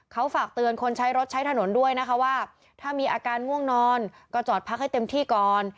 เขาฝากเตือนคนใช้รถใช้ถนนด้วยนะคะว่าถ้ามีอาการง่วงนอนก็จอดพักให้เต็มที่ก่อน